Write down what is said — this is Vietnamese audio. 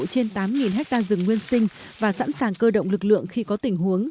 trên tám ha rừng nguyên sinh và sẵn sàng cơ động lực lượng khi có tình huống